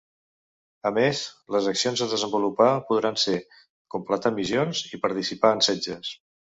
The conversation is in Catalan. A més, les accions a desenvolupar podran ser: completar missions i participar en setges.